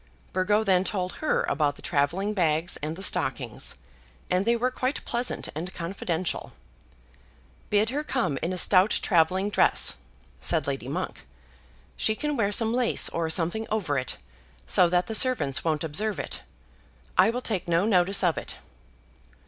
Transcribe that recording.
Burgo then told her about the travelling bags and the stockings, and they were quite pleasant and confidential. "Bid her come in a stout travelling dress," said Lady Monk. "She can wear some lace or something over it, so that the servants won't observe it. I will take no notice of it."